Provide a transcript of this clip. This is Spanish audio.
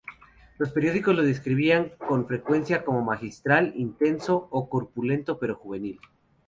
Los periódicos lo describían con frecuencia como "magistral", "intenso", o "corpulento pero juvenil".